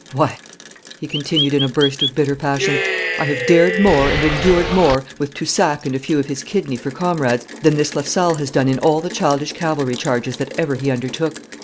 Why,' he continued in a burst of bitter passion, 'I have dared more, and endured more, with Toussac and a few of his kidney for comrades, than this Lasalle has done in all the childish cavalry charges that ever he undertook.